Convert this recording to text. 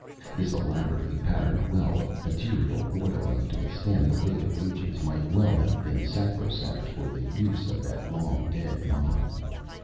This elaborately patterned well, of material royal enough to withstand the weight of ages, might well have been sacrosanct for the use of that long dead monarch.